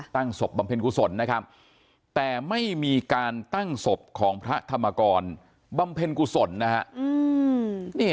ศพบำเพ็ญกุศลนะครับแต่ไม่มีการตั้งศพของพระธรรมกรบำเพ็ญกุศลนะฮะ